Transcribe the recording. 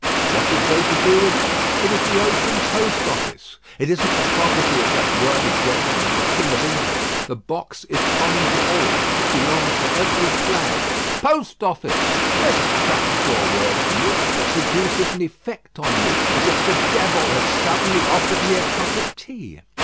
What had they to do with it? It is the ocean post office. It isn't the property of that worthy gentleman, the King of England. The box is common to all. It belongs to every flag. Post Office! there's a crack jaw word for you. It produces an effect on me as if the devil had suddenly offered me a cup of tea.